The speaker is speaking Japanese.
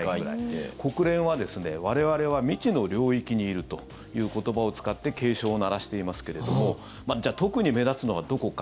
国連は我々は未知の領域にいるという言葉を使って警鐘を鳴らしていますけれども特に目立つのはどこか。